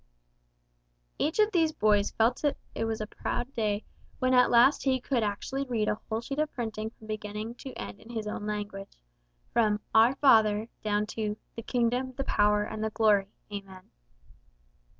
Each of these boys felt that it was a very proud day when at last he could actually read a whole sheet of printing from beginning to end in his own language from "Our Father" down to "the Kingdom, the power and the glory, Amen."